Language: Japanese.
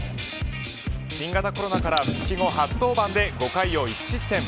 新型コロナから復帰後初登板で５回を１失点。